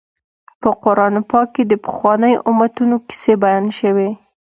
په قران پاک کې د پخوانیو امتونو کیسې بیان شوي.